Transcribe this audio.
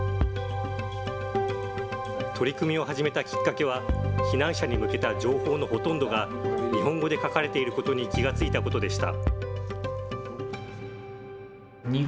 取り組みを始めたきっかけは、避難者に向けた情報のほとんどが、日本語で書かれていることに気が付いたことでした。